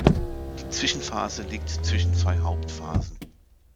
Die Zwischenphase liegt zwischen zwei Hauptphasen.